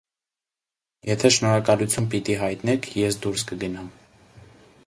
- Եթե շնորհակալություն պիտի հայտնեք, ես դուրս կգնամ: